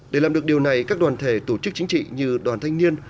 để làm được điều này các đoàn thể tổ chức chính trị như đoàn thanh niên